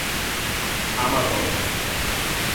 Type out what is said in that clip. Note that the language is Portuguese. "A Madona"